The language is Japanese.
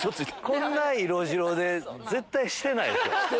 こんな色白で絶対してないでしょ？